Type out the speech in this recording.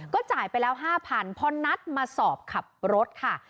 ก็จ่ายไปแล้ว๕๐๐พอนัดมาสอบขับรถค่ะ